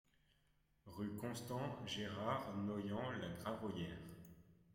Rue Constant Gérard, Noyant-la-Gravoyère